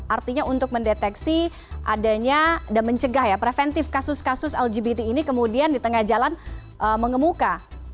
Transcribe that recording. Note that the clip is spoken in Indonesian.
artinya untuk mendeteksi adanya dan mencegah ya preventif kasus kasus lgbt ini kemudian di tengah jalan mengemuka